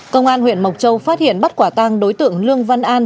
công an huyện mộc châu phát hiện bắt quả tang đối tượng lương văn an